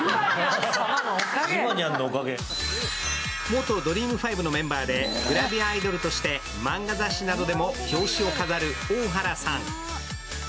元Ｄｒｅａｍ５のメンバーでグラビアアイドルとしてマンガ雑誌などでも表紙を飾る大原さん。